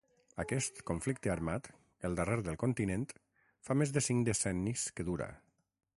Aquest conflicte armat, el darrer del continent, fa més de cinc decennis que dura.